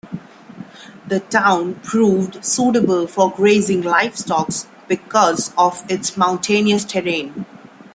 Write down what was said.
The town proved suitable for grazing livestock because of its mountainous terrain.